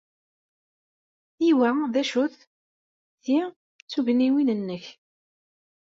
I wa d acu-t? Ti d tugniwin-nnek.